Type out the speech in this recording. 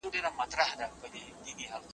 استاد شاګرد ته د نویو کتابونو پته وښوده.